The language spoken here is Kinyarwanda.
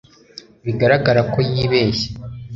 bigaragara ko yibeshye